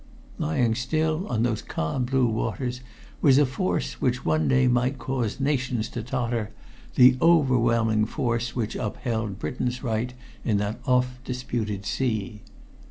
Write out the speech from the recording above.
Lying still on those calm blue waters was a force which one day might cause nations to totter, the overwhelming force which upheld Britain's right in that oft disputed sea.